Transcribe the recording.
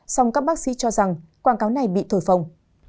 song các bác sĩ cho rằng quảng cáo này bị thổi phòng